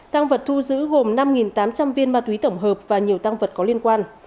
tăng vật thu giữ gồm năm tám trăm linh viên ma túy tổng hợp và nhiều tăng vật có liên quan